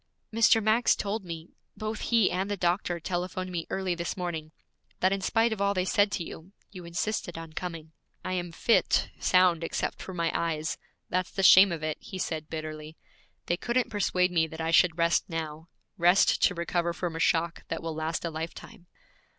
'Mr. Max told me both he and the doctor telephoned me early this morning that in spite of all they said to you, you insisted on coming.' 'I am fit, sound except for my eyes; that's the shame of it,' he said bitterly. 'They couldn't persuade me that I should rest now, rest to recover from a shock that will last a lifetime.'